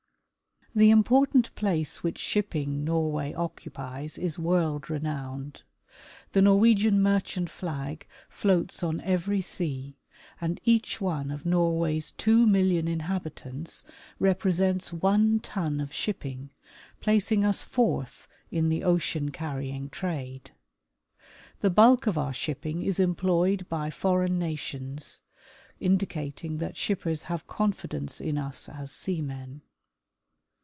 The important place which shipping Norway occupies is world renowned. The Norwegian merchant flag floats on every sea, and each one of Norway's two million inhabitants repre sents one ton of shipping, placing us fourth in the ocean carry ing trade. The bulk of our shipping is employed by foreign na tions, indicating that shippers have confidence in us as seamen.